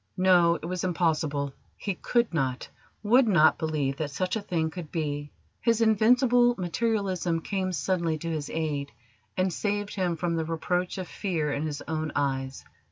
No, it was impossible: he could not, would not, believe that, such a thing could be. His invincible materialism came suddenly to his aid, and saved him from the reproach of fear in his own eyes.